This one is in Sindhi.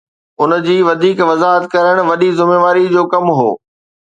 ان جي وڌيڪ وضاحت ڪرڻ وڏي ذميواري جو ڪم هو